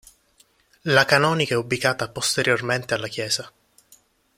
La canonica è ubicata posteriormente alla chiesa.